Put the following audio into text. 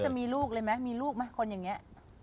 จะมีลูกเลยไหมมีลูกไหมคนอย่างนี้